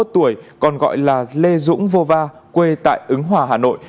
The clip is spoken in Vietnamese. năm mươi một tuổi còn gọi là lê dũng vô va quê tại ứng hòa hà nội